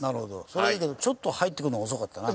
それはいいけどちょっと入ってくるの遅かったな。